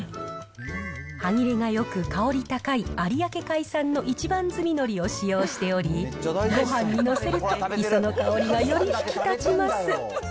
歯切れがよく、香り高い有明海産の一番摘みのりを使用しており、ごはんに載せると、磯の香りがより引き立ちます。